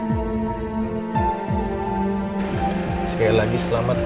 pusat papa adalah